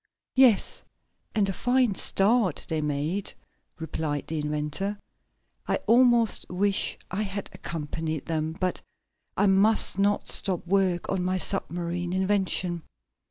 "Yes, and a fine start they made," replied the inventor. "I almost wish I had accompanied them, but I must not stop work on my submarine invention."